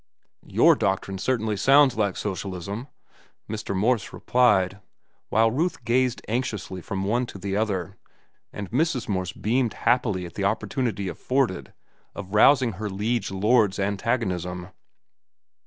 "Your doctrine certainly sounds like socialism," Mr. Morse replied, while Ruth gazed anxiously from one to the other, and Mrs. Morse beamed happily at the opportunity afforded of rousing her liege lord's antagonism.